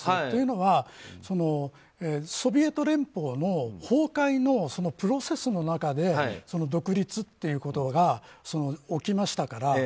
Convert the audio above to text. というのはソビエト連邦の崩壊のプロセスの中で独立っていうことが起きましたから。